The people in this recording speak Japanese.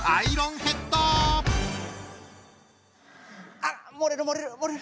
あっ漏れる漏れる漏れる！